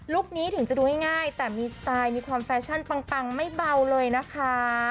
คนี้ถึงจะดูง่ายแต่มีสไตล์มีความแฟชั่นปังไม่เบาเลยนะคะ